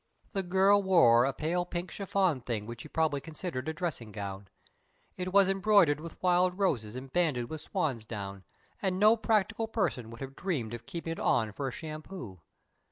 The girl wore a pale pink chiffon thing which she probably considered a dressing gown. It was embroidered with wild roses and banded with swansdown, and no practical person would have dreamed of keeping it on for a shampoo.